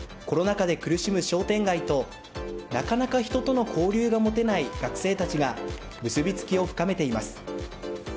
コロナ禍で苦しむ商店街となかなか人との交流が持てない学生たちが結びつきを深めています。